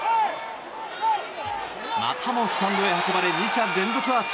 またもスタンドへ運ばれ２者連続アーチ。